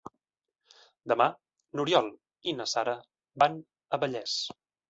Demà n'Oriol i na Sara van a Vallés.